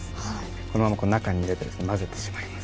このまま中に入れて混ぜてしまいます。